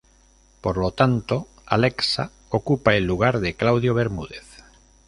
Por lo tanto, Alexa ocupa el lugar de Claudio Bermúdez.